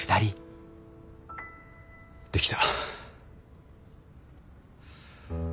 できた。